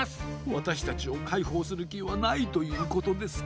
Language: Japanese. わたしたちをかいほうするきはないということですか？